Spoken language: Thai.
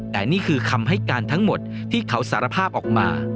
แต่นี่คือคำให้การทั้งหมดที่เขาสารภาพออกมา